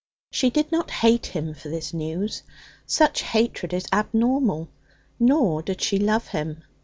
She did not hate him for this news. Such hatred is abnormal. Nor did she love him.